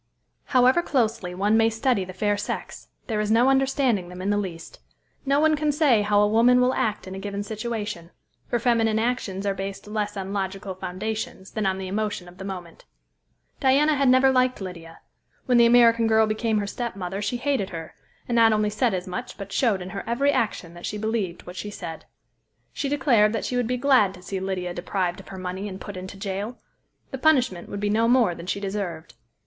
However closely one may study the fair sex, there is no understanding them in the least. No one can say how a woman will act in a given situation; for feminine actions are based less on logical foundations than on the emotion of the moment. Diana had never liked Lydia; when the American girl became her stepmother she hated her, and not only said as much but showed in her every action that she believed what she said. She declared that she would be glad to see Lydia deprived of her money and put into jail! The punishment would be no more than she deserved.